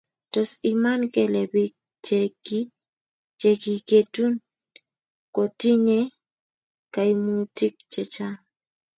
Tos iman kele biik chekiketun kotinyei kaimutiik chechang?